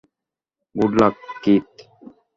Good luck, Keith.